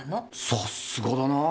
さすがだな先生。